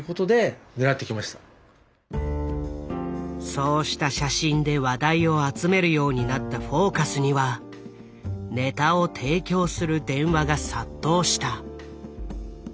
そうした写真で話題を集めるようになった「フォーカス」にはネタを提供する電話が殺到した。